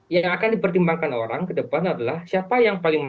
yang akan dipertimbangkan orang ke depan adalah siapa yang paling